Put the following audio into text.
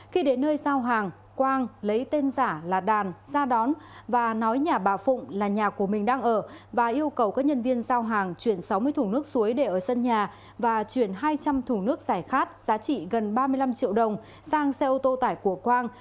khi đến nơi giao hàng quang lấy tên giả là đàn ra đón và nói nhà bà phụng là nhà của mình đang ở và yêu cầu các nhân viên giao hàng chuyển sáu mươi thùng nước suối để ở sân nhà và chuyển hai trăm linh thùng nước giải khát giá trị gần ba mươi năm triệu đồng sang xe ô tô tải của quang